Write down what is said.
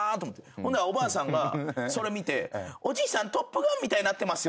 おばあさんがそれ見て「おじいさん『トップガン』みたいになってますよ」